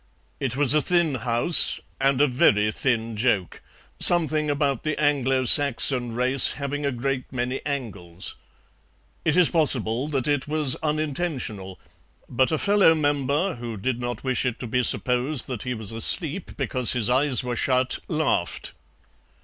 It was a thin House, and a very thin joke; something about the Anglo Saxon race having a great many angles. It is possible that it was unintentional, but a fellow member, who did not wish it to be supposed that he was asleep because his eyes were shut, laughed.